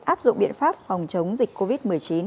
áp dụng biện pháp phòng chống dịch covid một mươi chín